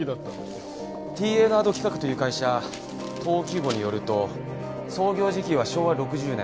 ＴＮａｄ企画という会社登記簿によると創業時期は昭和６０年。